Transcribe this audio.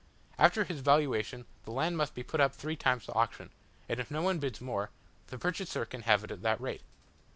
After his valuation the land must be put up three times to auction, and if no one bids more, the purchaser can have it at that rate.